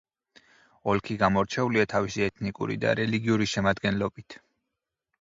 ოლქი გამორჩეულია თავისი ეთნიკური და რელიგიური შემადგენლობით.